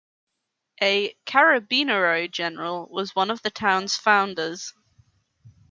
A "Carabinero" general was one of the town's founders.